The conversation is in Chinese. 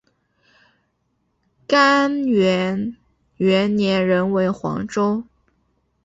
干元元年仍为黄州。